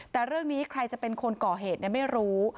แต่เรื่องนี้ใครจะเป็นคนก่อเหตุไม่รู้